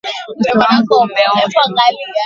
Uso wangu umeoshwa.